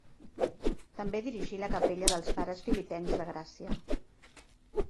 També dirigí la capella dels Pares Filipencs de Gràcia.